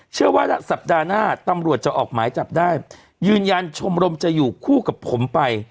เชื่อว่าสัปดาห์หน้าตำรวจจะออกหมายจับได้ยืนยันชมรมจะอยู่คู่กับผมไป